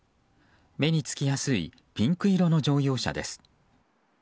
目につきやすいピンク色の乗用車です。